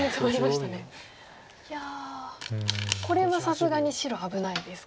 いやこれはさすがに白危ないですか。